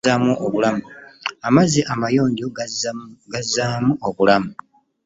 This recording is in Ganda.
Amazzi amayonjo gazzamu obulamu.